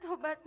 dua hari lagi